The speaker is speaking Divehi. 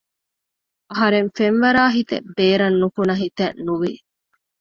އަހަރެން ފެންވަރާހިތެއް ބޭރަށް ނުކުނަ ހިތެއްވެސް ނުވި